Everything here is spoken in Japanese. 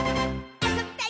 あそびたい！